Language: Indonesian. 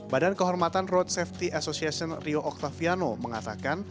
badan kehormatan road safety association rio octaviano mengatakan